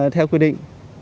theo quy định